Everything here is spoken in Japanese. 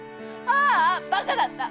ああ馬鹿だった。